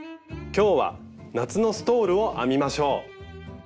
今日は夏のストールを編みましょう。